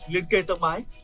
liên kề tầm mái